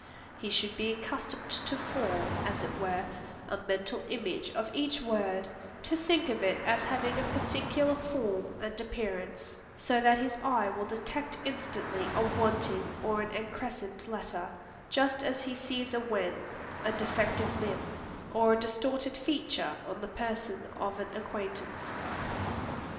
He should be accustomed to form, as it were, a mental image of each word, to think of it as having a particular form and appearance, so that his eye will detect instantly a wanting or an excrescent letter, just as he sees a wen, a defective limb, or a distorted feature on the person of an acquaintance.